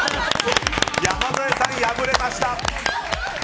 山添さん、敗れました。